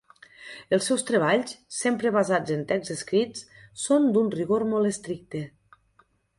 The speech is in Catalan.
Els seus treballs, sempre basats en texts escrits, són d’un rigor molt estricte.